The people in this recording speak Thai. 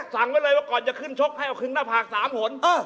สั่งไว้เลยว่าก่อนจะขึ้นชกให้เอาครึ่งหน้าผาก๓หน